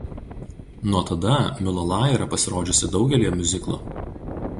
Nuo tada Mullally yra pasirodžiusi daugelyje miuziklų.